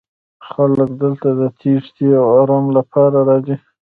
خلک دلته د تیښتې او ارام لپاره راځي